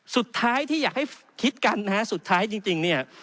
สุดท้ายที่อยากให้คิดกันนะฮะสุดท้ายจริงเนี่ย